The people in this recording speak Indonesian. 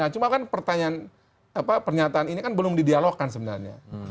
cuma kan pertanyaan apa pernyataan ini kan belum di dialog kan sebenarnya